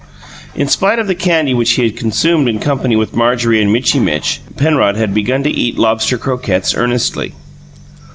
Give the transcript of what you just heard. In spite of the candy which he had consumed in company with Marjorie and Mitchy Mitch, Penrod had begun to eat lobster croquettes earnestly.